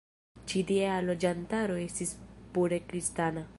Ĉi tiea loĝantaro estis pure kristana.